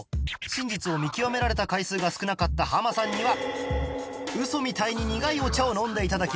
真実を見極められた回数が少なかったハマさんにはウソみたいに苦いお茶を飲んで頂きます